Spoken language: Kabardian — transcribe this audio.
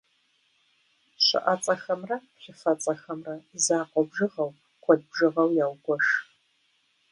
Щыӏэцӏэхэмрэ плъыфэцӏэхэмрэ закъуэ бжыгъэу, куэд бжыгъэу яугуэш.